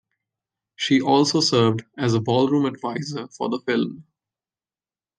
She also served as a ballroom adviser for the film.